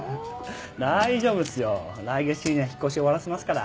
大丈夫っすよ来月中には引っ越し終わらせますから。